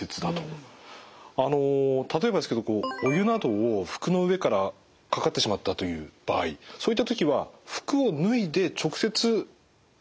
あの例えばですけどお湯などを服の上からかかってしまったという場合そういった時は服を脱いで直接水を当てた方がいいんでしょうか？